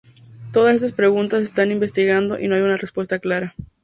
Todas estas preguntas se están investigando y no hay una respuesta clara.